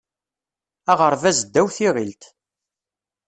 Aɣerbaz ddaw tiɣilt.